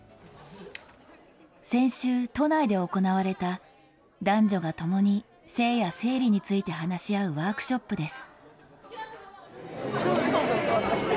先週、都内で行われた男女が共に性や生理について話し合うワークショップです。